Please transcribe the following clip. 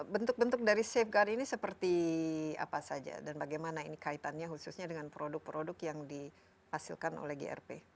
bentuk bentuk dari safeguard ini seperti apa saja dan bagaimana ini kaitannya khususnya dengan produk produk yang dihasilkan oleh grp